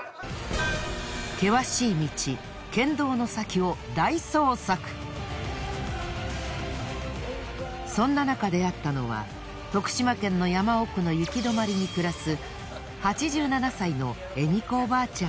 険しい道そんななか出会ったのは徳島県の山奥の行き止まりに暮らす８７歳のエミ子おばあちゃん。